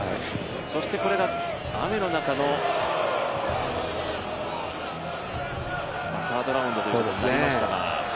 そしてこれが雨の中のサードラウンドということになりましたが。